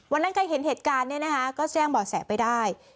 วันนั้นใครเห็นเหตุการณ์เนี่ยนะคะก็แจ้งบ่อแสไปได้